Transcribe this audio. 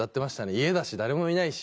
家だし誰もいないし。